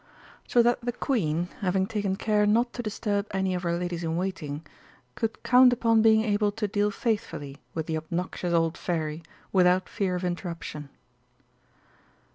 So that the Queen, having taken care not to disturb any of her ladies in waiting, could count upon being able to deal faithfully with the obnoxious old Fairy without fear of interruption.